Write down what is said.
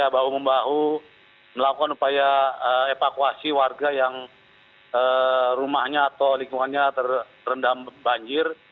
bahu membahu melakukan upaya evakuasi warga yang rumahnya atau lingkungannya terendam banjir